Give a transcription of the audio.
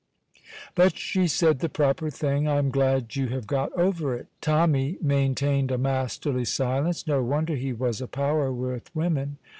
But she said the proper thing. "I am glad you have got over it." Tommy maintained a masterly silence. No wonder he was a power with women.